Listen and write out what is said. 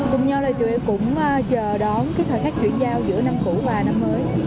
cùng nhau là tụi em cũng chờ đón cái thời khắc chuyển giao giữa năm cũ và năm mới